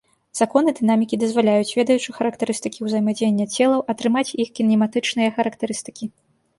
Законы дынамікі дазваляюць, ведаючы характарыстыкі ўзаемадзеяння целаў, атрымаць іх кінематычныя характарыстыкі.